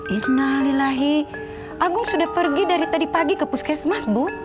isnah lillahi agung sudah pergi dari tadi pagi ke puskesmas bu